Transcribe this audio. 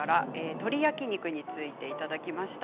鶏焼き肉についていただきました。